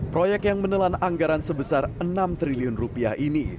proyek yang menelan anggaran sebesar enam triliun rupiah ini